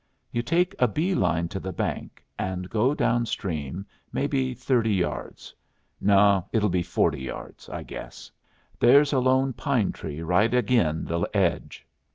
You take a bee line to the bank and go down stream, maybe thirty yards. No; it'll be forty yards, I guess. There's a lone pine tree right agin the edge."